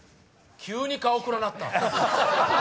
急に顔暗なった。